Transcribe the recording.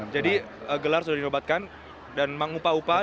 jadi gelar sudah dinobatkan dan mengupa upa di bagasnya